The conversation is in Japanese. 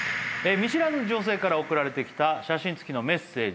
見知らぬ女性から送られてきた写真付きのメッセージ。